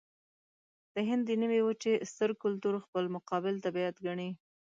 د هند د نيمې وچې ستر کلتور خپل مقابل طبیعت ګڼي.